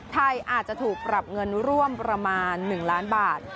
ไทยอาจจะถูกปรับเงินร่วมประมาณ๑ล้านบาท